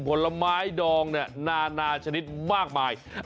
ผลไม้ดองน่าชนิดมากมาย